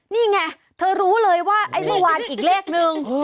นี่ไงเธอรู้เลยว่าไอ้เมื่อวานอีกเลขนึง